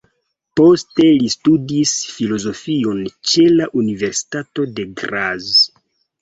Poste li studis filozofion ĉe la Universitato de Graz.